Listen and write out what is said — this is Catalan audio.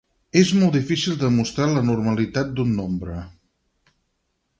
És molt difícil demostrar la normalitat d'un nombre.